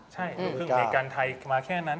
ใช่ลูกครึ่งอเมริกันไทยมาแค่นั้น